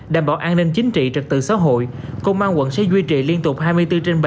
đảm bảo an ninh chính trị trật tự xã hội công an quận sẽ duy trì liên tục hai mươi bốn trên bảy